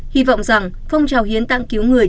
hy vọng rằng phong trào hiến tặng cứu người